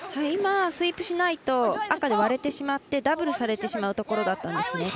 今、スイープしないと赤で割れてしまってダブルをされてしまうところだったんです。